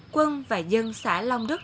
quân và dân xã long đức